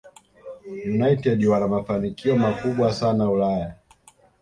united wana mafanikio makubwa sana Ulaya